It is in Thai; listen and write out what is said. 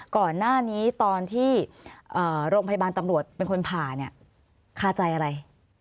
ก่อนหน้านี้ตอนที่โรงพยาบาลตำรวจเป็นคนผ่าเนี่ยคาใจอะไร